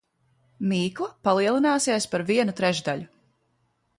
Mīkla palielināsies par vienu trešdaļu.